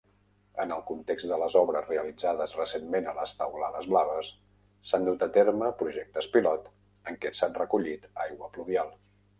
En el context de les obres realitzades recentment a les taulades blaves, s'han dut a terme projectes pilot en què s'ha recollit aigua pluvial.